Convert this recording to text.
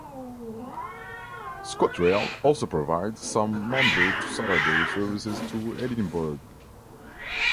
ScotRail also provides some Monday to Saturday services to Edinburgh.